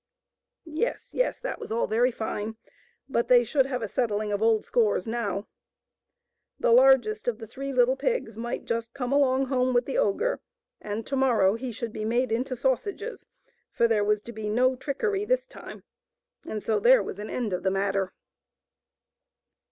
Yes, yes, that was all very fine ; but they should have a settling of old scores now. The largest of the three little pigs might just come along home with the ogre, and to morrow he should be made into sausages ; for there was to be no trickery this time, so there was an end of the matter.